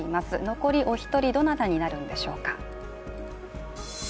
残り、お一人どなたになるんでしょうか。